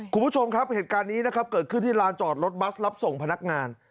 คุณผู้ชมครับเหตุการณ์นี้นะครับเกิดขึ้นที่ลานจอดรถบัสรับส่งพนักงาน